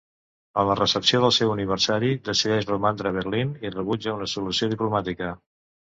En la recepció del seu aniversari decideix romandre a Berlín i rebutja una solució diplomàtica.